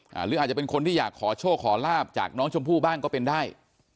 หรืออาจจะเป็นคนที่อยากขอโชคขอลาบจากน้องชมพู่บ้างก็เป็นได้